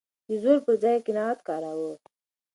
د زور پر ځای يې قناعت کاراوه.